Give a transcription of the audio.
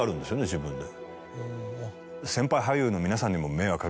自分で。